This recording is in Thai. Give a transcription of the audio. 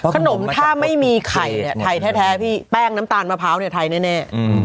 ขนมถ้าไม่มีไข่เนี่ยไทยแท้พี่แป้งน้ำตาลมะพร้าวเนี่ยไทยแน่